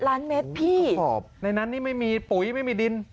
ล้านเมตรพี่ในนั้นนี่ไม่มีปุ๋ยไม่มีดิน